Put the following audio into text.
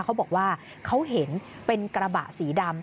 เขาบอกว่าเขาเห็นเป็นกระบะสีดำ